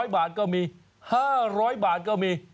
๐บาทก็มี๕๐๐บาทก็มี